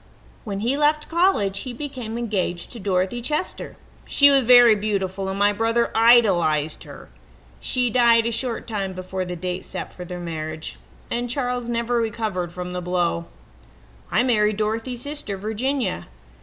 "When he left college he became engaged to Dorothy Chester. She was very beautiful, and my brother idolized her. She died a short time before the date set for their marriage, and Charles never recovered from the blow. "I married Dorothy's sister, Virginia.